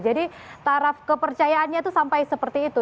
jadi taraf kepercayaannya itu sampai seperti itu